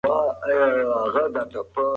کوم عامل ټولنه اساسي بدلون ته مجبوروي؟